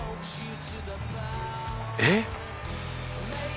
えっ？